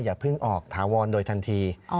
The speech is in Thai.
อย่าเพิ่งออกถาวรโดยทันที